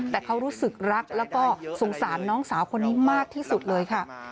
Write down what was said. แต่เขารู้สึกรักแล้วก็สงสารน้องสาวคนนี้มากที่สุดเลยค่ะ